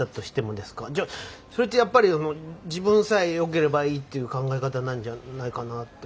じゃあそれってやっぱり自分さえよければいいっていう考え方なんじゃないかなって。